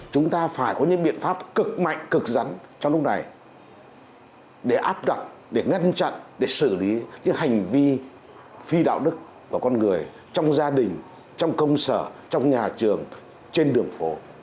chúng ta phải có những biện pháp cực mạnh cực rắn trong lúc này để áp đặt để ngăn chặn để xử lý những hành vi phi đạo đức của con người trong gia đình trong công sở trong nhà trường trên đường phố